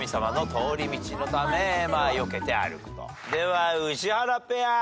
では宇治原ペア。